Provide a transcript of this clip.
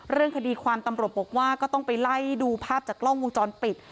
เรื่องคดีความตำรวจบอกว่าก็ต้องไปไล่ดูภาพจากกล้องวงจรปิด